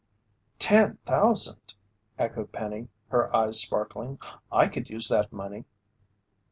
"Ten thousand!" echoed Penny, her eyes sparkling. "I could use that money!"